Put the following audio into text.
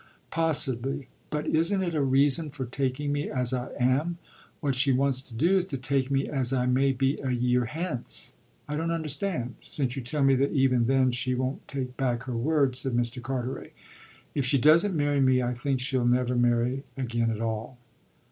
"Possibly. But isn't it a reason for taking me as I am? What she wants to do is to take me as I may be a year hence." "I don't understand since you tell me that even then she won't take back her word," said Mr. Carteret. "If she doesn't marry me I think she'll never marry again at all."